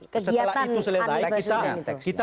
setelah itu selesai